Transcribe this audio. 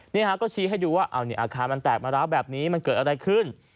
นี่ฮะก็ชี้ให้ดูว่าอาคารมันแตกมะร้าวแบบนี้มันเกิดอะไรขึ้น